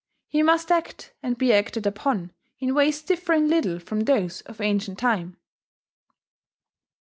He must act and be acted upon in ways differing little from those of ancient time.